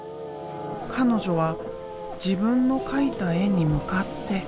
彼女は自分の描いた絵に向かって歌う。